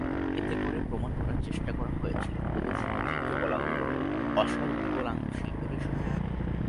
এতে করে প্রমাণ করার চেষ্টা করা হয়েছিল প্রদর্শিত চিত্রকলাগুলো অসাড়-বিকলাঙ্গ শিল্পেরই স্বরূপ।